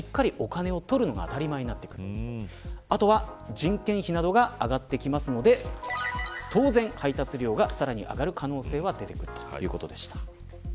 人件費などが上がってきますので当然、配達料がさらに上がる可能性は出てくるということでした。